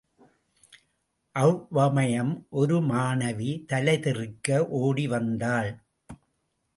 அவ்வமயம் ஒரு மாணவி தலைதெறிக்க ஓடி வந்தாள்.